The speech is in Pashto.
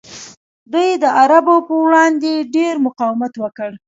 دوی د عربو پر وړاندې ډیر مقاومت وکړ